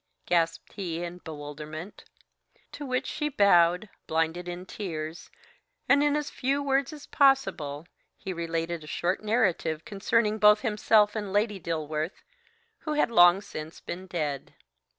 gasped he in bewilderment. To which she bowed, blinded in tears, and in as few words as possible, he related a short narrative concerning both himself and Lady Dilworth, who had long since been dead.